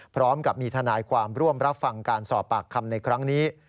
พร้อมกับมีทนายความร่วมรับฟังการสอบปากคำในครั้งนี้